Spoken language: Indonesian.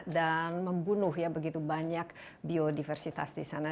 dan membunuh ya begitu banyak biodiversitas di sana